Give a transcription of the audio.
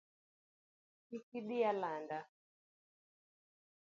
Kik idhi alanda